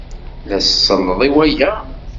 La tselled i waya?